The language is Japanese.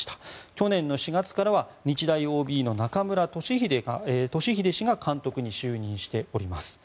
去年４月からは日大ＯＢの中村敏英氏が監督に就任しております。